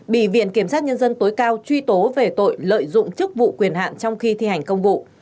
bị viện kiểm sát nhân dân tối cao truy tố về tội lợi dụng chức vụ quyền hạn trong khi thi hành công vụ